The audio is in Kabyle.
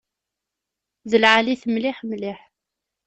D lɛali-t mliḥ mliḥ.